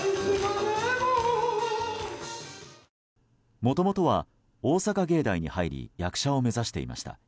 もともとは大阪芸大に入り役者を目指していました。